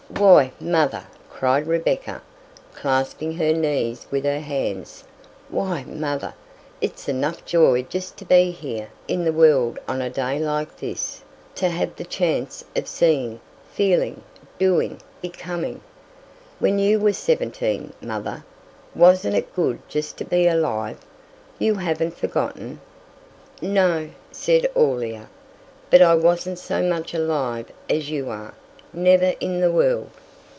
"Why, mother!" cried Rebecca, clasping her knees with her hands; "why, mother, it's enough joy just to be here in the world on a day like this; to have the chance of seeing, feeling, doing, becoming! When you were seventeen, mother, wasn't it good just to be alive? You haven't forgotten?" "No," said Aurelia, "but I wasn't so much alive as you are, never in the world."